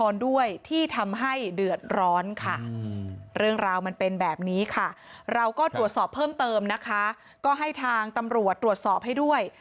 เรื่องราวมันเป็นแบบนี้ค่ะเราก็ตรวจสอบเพิ่มเติมนะคะก็ให้ทางตำรวจตรวจสอบให้ด้วย